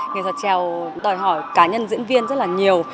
người giọt trèo đòi hỏi cá nhân diễn viên rất là nhiều